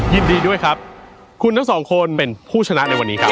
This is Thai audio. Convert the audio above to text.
ยินดีด้วยครับคุณทั้งสองคนเป็นผู้ชนะในวันนี้ครับ